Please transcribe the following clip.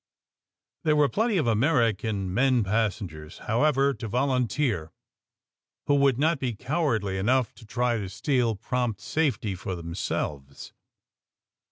There were plenty of American men passengerSj however, to volunteer, who would not he cow ardly enough to try to steal prompt safety for themselves.